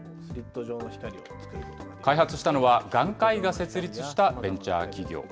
開発したのは、眼科医が設立したベンチャー企業。